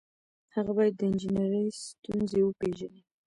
هغه باید د انجنیری ستونزې وپيژني.